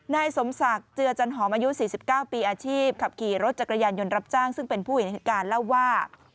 นายสมศักดิ์เจือจันหอมอายุ๔๙ปีอาชีพขับขี่รถจักรยานยนต์รับจ้างซึ่งเป็นผู้เห็นเหตุการณ์เล่าว่า